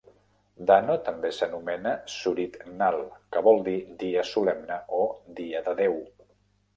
Dano també s'anomena Surit-nal, que vol dir "dia solemne" o "dia de déu".